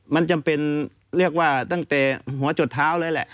มันจำเป็นเรียกว่าตั้งแต่หัวจดเท้าเลยแหละ